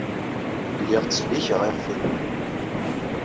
Lliɣ ttsellikeɣ iɣef-inu.